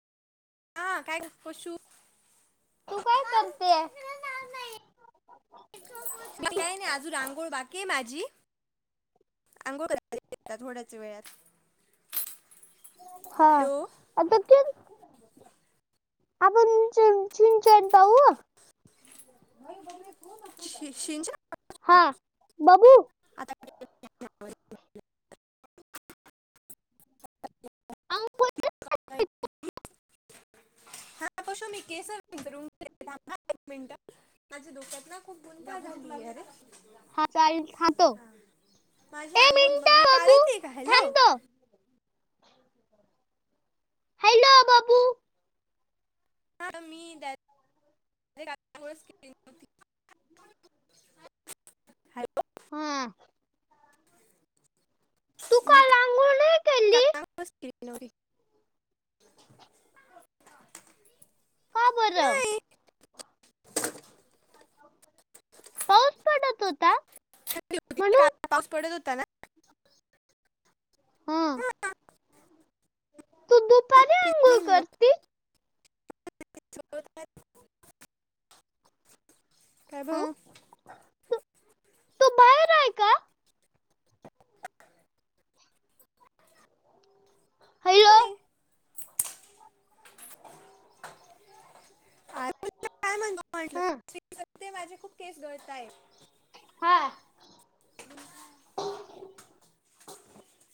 हा काय कसू य ना आजून आंगोळ बाके माझी आंगोळ थोड्याच वेळात हा आता आपण चिंचन पाहू श शंच्या आता [inaudible] अ [inaudible] हा पशो मी केस एक मिनट माझ्या ोक्यात ना खूप गुंता हा खातो माझी अघोळ मी काढयते का हॅलो हॅल बापू हा मी द केली नव्हती हॅलो हा म [inaudible] का बोलल पाऊस पडत होता छ होती पाऊस पडत होता ना तु खु क तती ल [inaudible] हा तो बाहेर आहे का हम ते माझे खूप केस गळते हा